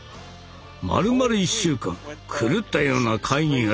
まるまる１週間狂ったような会議が続きました。